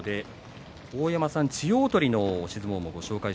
大山さん、千代鳳の押し相撲